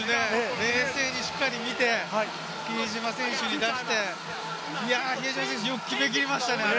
冷静にしっかり見て、比江島選手に出して比江島選手、よく決めきりましたね。